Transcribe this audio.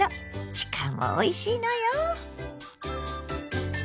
しかもおいしいのよ！